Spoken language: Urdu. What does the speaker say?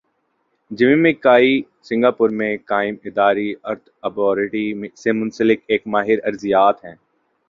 جیمی مک کائی سنگاپور میں قائم اداری ارتھ آبرو یٹری سی منسلک ایک ماہر ارضیات ہیں۔